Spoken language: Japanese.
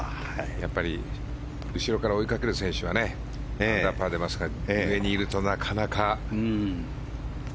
やっぱり後ろから追いかける選手はアンダーパーで上にいるとなかなか。